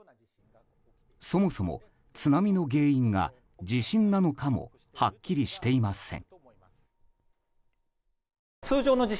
そもそも津波の原因が地震なのかもはっきりしていません。